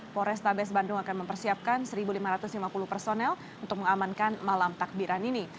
polrestabes bandung akan mempersiapkan satu lima ratus lima puluh personel untuk mengamankan malam takbiran ini